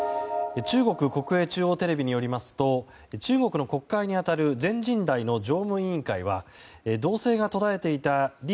中国国営中央テレビによりますと中国の国会に当たる全人代の常務委員会は動静が途絶えていたリ・